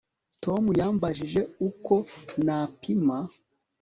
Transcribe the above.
Tom yambajije uko napima